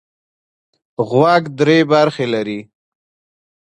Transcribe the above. غوږ درې برخې لري.